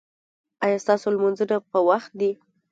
ایا ستاسو لمونځونه په وخت دي؟